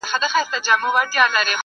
تل زبون دي په وطن کي دښمنان وي؛